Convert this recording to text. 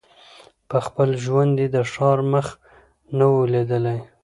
په خپل ژوند یې د ښار مخ نه وو لیدلی